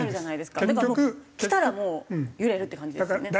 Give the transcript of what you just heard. だからきたらもう揺れるって感じですよね。